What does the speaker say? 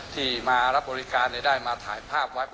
ที่มารับบริการได้มาถ่ายภาพไว้